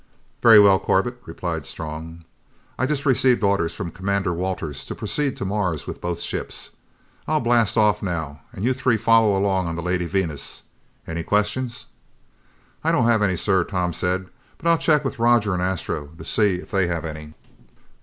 "Very well, Corbett," replied Strong. "I've just received orders from Commander Walters to proceed to Mars with both ships. I'll blast off now and you three follow along on the Lady Venus. Any questions?" "I don't have any, sir," Tom said, "but I'll check with Roger and Astro to see if they have any."